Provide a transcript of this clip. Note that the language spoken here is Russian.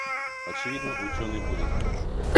Очевидно, ученый будет.